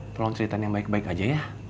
tolong ceritain yang baik baik aja ya